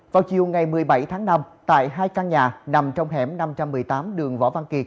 vào chiều ngày một mươi bảy tháng năm tại hai căn nhà nằm trong hẻm năm trăm một mươi tám đường võ văn kiệt